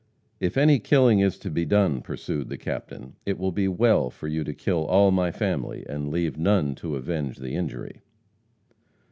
"If any killing is to be done," pursued the Captain, "it will be well for you to kill all my family, and leave none to avenge the injury."